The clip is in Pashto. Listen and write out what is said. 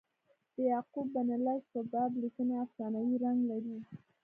د یعقوب بن لیث په باب لیکني افسانوي رنګ لري.